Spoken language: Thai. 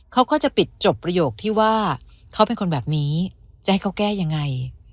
เขาก็จะปิดจบประโยคที่ว่าเขาเป็นคนแบบนี้จะให้เขาแก้ยังไง